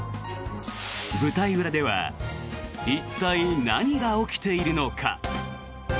舞台裏では一体、何が起きているのか。